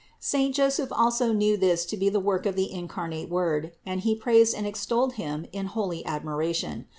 Saint Joseph also knew this to be the work of the incarnate Word; and He praised and extolled Him in holy admiration.